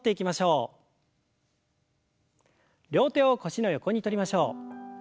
両手を腰の横にとりましょう。